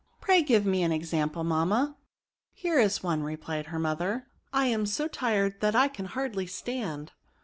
" Pray give me an example^ mamma ?"" Here is one," replied her mother :'* I am so tired that I can hardly stand.